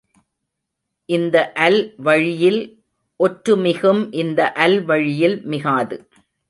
இந்த அல்வழியில் ஒற்று மிகும் இந்த அல்வழியில் மிகாது.